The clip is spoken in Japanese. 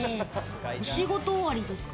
お仕事終わりですか？